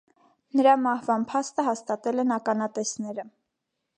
Նրա մահվան փաստը հաստատել են ականատեսները։